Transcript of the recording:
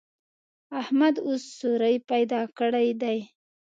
احمد اوس سوری پیدا کړی دی.